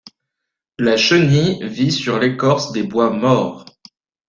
La chenille vit sur l'écorce des bois morts.